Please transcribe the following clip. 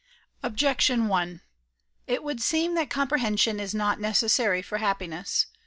Objection 1: It would seem that comprehension is not necessary for happiness.